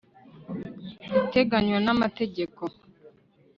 iteganywa n'amategeko